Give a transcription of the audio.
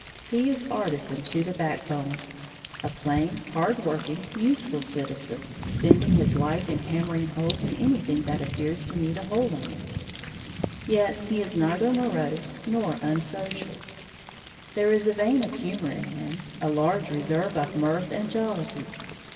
He is artisan to the backbone, a plain, hard working, useful citizen, spending his life in hammering holes in anything that appears to need a hole in it. Yet he is neither morose nor unsocial. There is a vein of humor in him, a large reserve of mirth and jollity.